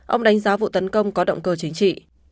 ông đánh giá vụ tấn công có động cơ chính trị